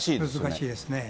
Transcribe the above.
難しいですね。